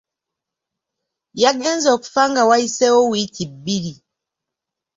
Yagenze okufa nga wayiseewo wiiki bbiri.